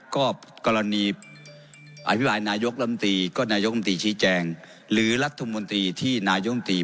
ก็กรณีอภิปรายนายกลำตีก็นายกรรมตรีชี้แจงหรือรัฐมนตรีที่นายมตรี